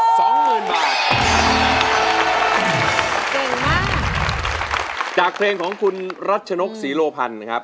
สองหมื่นบาทเก่งมากจากเพลงของคุณรัชนกศรีโลพันธ์นะครับ